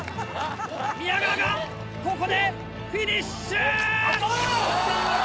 宮川がここでフィニッシュ。